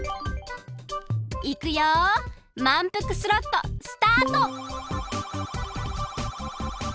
いくよまんぷくスロットスタート！